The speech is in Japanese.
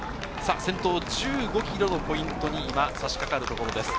先頭１５ｋｍのポイントに今差し掛かるところです。